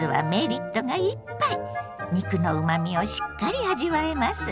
肉のうまみをしっかり味わえます。